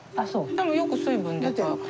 でもよく水分出た。